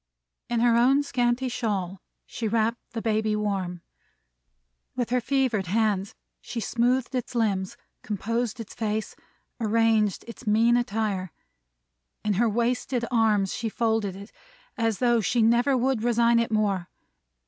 In her own scanty shawl, she wrapped the baby warm. With her fevered hands, she smoothed its limbs, composed its face, arranged its mean attire. In her wasted arms she folded it, as though she never would resign it more.